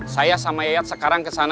saya sama yayat sekarang kesana